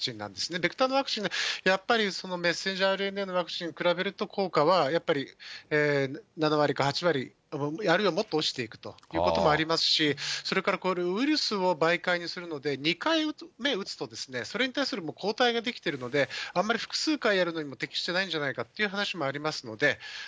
ベクターのワクチン、やっぱりｍＲＮＡワクチンに比べると、効果はやっぱり７割か８割、あるいはもっと落ちているということもありますし、それから、ウイルスを媒介するので、２回目打つと、それに対する抗体が出来てるので、あんまり複数回やるのにも適してないんじゃないかっていう話もありますので。